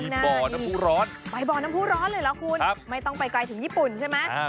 ไปบ่อน้ำผู้ร้อนเลยเหรอคุณไม่ต้องไปไกลถึงญี่ปุ่นใช่ไหม